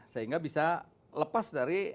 sehingga bisa lepas dari